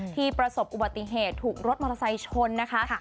ประสบอุบัติเหตุถูกรถมอเตอร์ไซค์ชนนะคะ